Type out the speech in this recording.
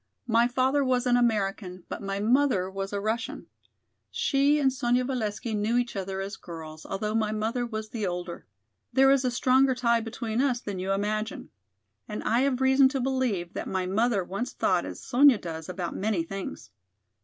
"My father was an American, but my mother was a Russian. She and Sonya Valesky knew each other as girls, although my mother was the older. There is a stronger tie between us than you imagine. And I have reason to believe that my mother once thought as Sonya does about many things."